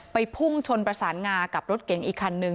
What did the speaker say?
พุ่งชนประสานงากับรถเก๋งอีกคันนึง